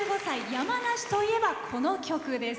山梨といえば、この曲です。